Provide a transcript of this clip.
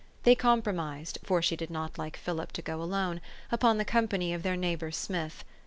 They compromised (for she did not h'ke Philip to go alone) upon the company of their neighbor Smith.